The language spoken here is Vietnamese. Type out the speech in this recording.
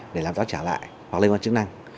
để làm tóc trả lại hoặc lên con chức năng